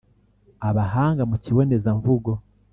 abahanga mu kibonezamvugo